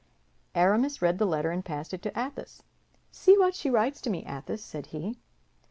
Aramis read the letter, and passed it to Athos. "See what she writes to me, Athos," said he.